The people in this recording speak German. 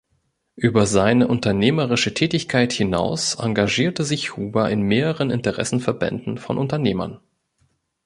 Über seine unternehmerische Tätigkeit hinaus engagierte sich Huber in mehreren Interessenverbänden von Unternehmern.